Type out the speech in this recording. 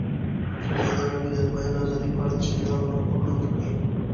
ازادي راډیو د د بیان آزادي په اړه د سیمینارونو راپورونه ورکړي.